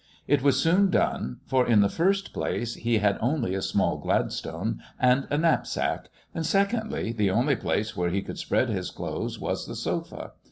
It was soon done; for, in the first place, he had only a small Gladstone and a knapsack, and secondly, the only place where he could spread his clothes was the sofa.